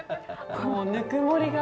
こうぬくもりが。